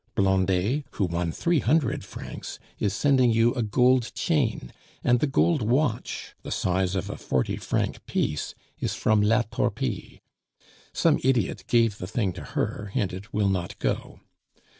Blondet, who won three hundred francs, is sending you a gold chain; and the gold watch, the size of a forty franc piece, is from La Torpille; some idiot gave the thing to her, and it will not go.